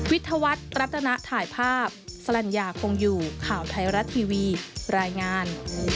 ทวัฒน์รัตนถ่ายภาพสลัญญาคงอยู่ข่าวไทยรัฐทีวีรายงาน